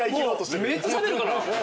めっちゃしゃべるから。